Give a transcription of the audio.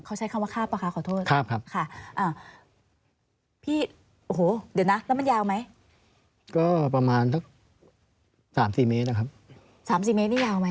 ๓๔เมตรนี่ยาวมั้ย